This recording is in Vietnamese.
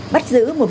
bắt giữ một đồng